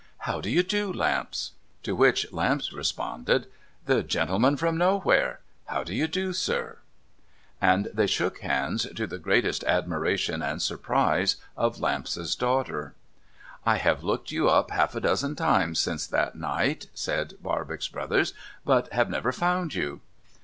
' How do you do, Lamps ?' To which Lamps responded :' The gentleman for Nowhere ! How do you do, sir ?' And they shook hands, to the greatest admiration and surprise of Lamps's daughter. ' I have looked you up half a dozen times since that night,' said Barbox Brothers, ' but have never found you.'